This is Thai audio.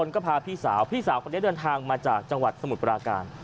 ก็พาพี่สาวพี่สาวคนนี้เดินทางมาจากจังหวัดสมุทรปราการ